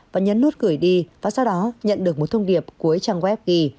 và nhấn nút gửi đi và sau đó nhận được một thông điệp cuối trang web ghi